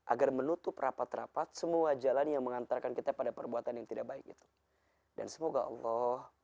agar menutup rapat rapat semua jalan yang mengantarkan kita pada perbuatan yang tidak baik itu dan semoga allah